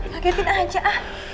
pak kevin ajak